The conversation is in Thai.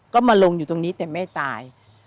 ก็มาลงอยู่ตรงนี้แต่แม่ตาย